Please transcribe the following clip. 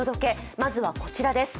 まずはこちらです。